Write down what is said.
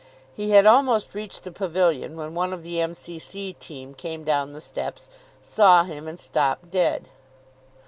He had almost reached the pavilion when one of the M.C.C. team came down the steps, saw him, and stopped dead.